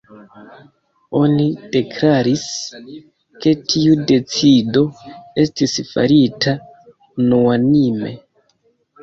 Oni deklaris, ke tiu decido estis farita unuanime.